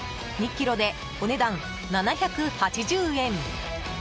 ２ｋｇでお値段７８０円。